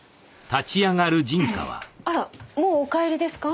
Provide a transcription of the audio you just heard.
あらもうお帰りですか？